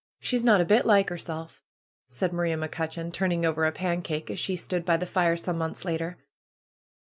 She's not a bit like 'erself/^ said Maria Mc Cutcheon, turning over a pancake, as she stood by the fire, some months later.